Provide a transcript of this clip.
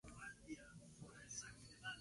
En el camino, notó que un auto los perseguía.